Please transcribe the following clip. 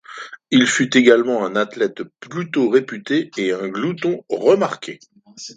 Il fut également un athlète plutôt réputé et un glouton remarqué.